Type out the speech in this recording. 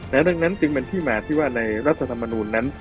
และเรื่องนั้นจึงเป็นที่มาที่ว่าในรัฐธรรมนุนนั้น